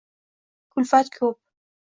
Kulfat ko’p…